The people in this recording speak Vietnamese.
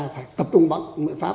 phải tập trung bằng mọi pháp